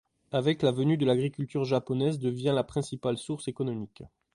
Avec la venue de l'agriculture japonaise devient la principale source économique.